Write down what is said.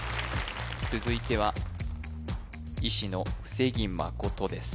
続いては医師の布施木誠です